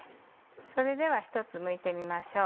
それでは１つむいてみましょう。